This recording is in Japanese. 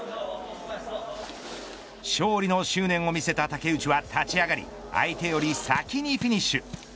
勝利の執念を見せた竹内は立ち上がり相手より先にフィニッシュ。